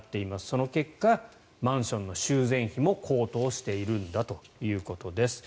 その結果、マンションの修繕費も高騰しているんだということです。